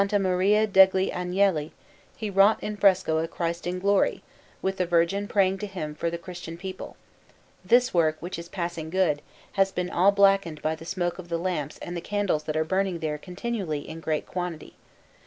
Maria degli Angeli he wrought in fresco a Christ in Glory, with the Virgin praying to Him for the Christian people; this work, which is passing good, has been all blackened by the smoke of the lamps and the candles that are burning there continually in great quantity.